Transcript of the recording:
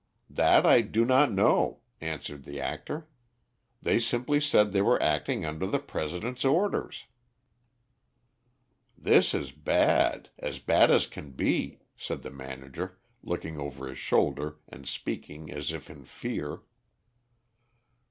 "That I do not know," answered the actor. "They simply said they were acting under the President's orders." "This is bad; as bad as can be," said the manager, looking over his shoulder, and speaking as if in fear.